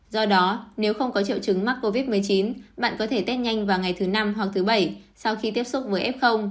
do đó nếu không có triệu chứng mắc covid một mươi chín bạn có thể tết nhanh vào ngày thứ năm hoặc thứ bảy sau khi tiếp xúc với f